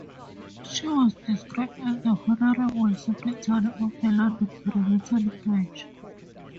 She was described as the honourable secretary of the London parliamentary branch.